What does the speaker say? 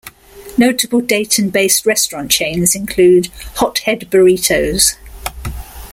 Notable Dayton-based restaurant chains include Hot Head Burritos.